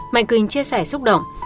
mạnh quỳnh chia sẻ xúc động